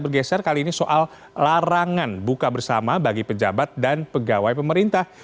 bergeser kali ini soal larangan buka bersama bagi pejabat dan pegawai pemerintah